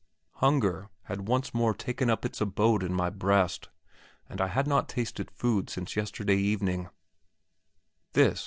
Hunger had once more taken up its abode in my breast, and I had not tasted food since yesterday evening.